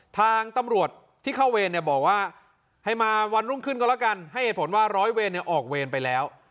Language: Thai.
ทางตำรวจที่เข้าเวรเนี่ยบอกว่าให้มาวันรุ่งขึ้นก็แล้วกันให้เหตุผลว่าร้อยเวรเนี่ยออกเวรไปแล้ว